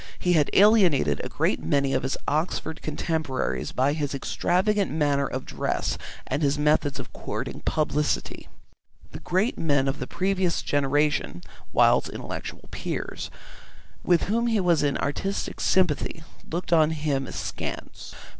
He had alienated a great many of his Oxford contemporaries by his extravagant manner of dress and his methods of courting publicity. The great men of the previous generation, Wilde's intellectual peers, with whom he was in artistic sympathy, looked on him askance.